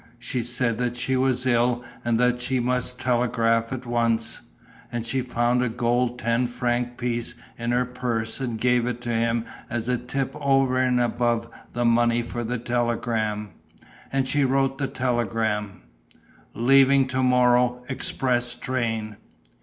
She said that she was ill and that she must telegraph at once. And she found a gold ten franc piece in her purse and gave it to him as a tip over and above the money for the telegram. And she wrote the telegram: "Leaving to morrow express train."